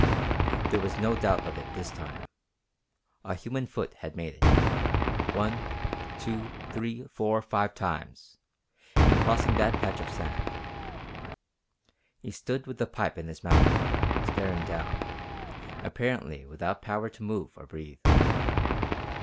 There was no doubt of it this time. A human foot had made it one, two, three, four, five times in crossing that patch of sand! He stood with the pipe in his mouth, staring down, apparently without power to move or breathe.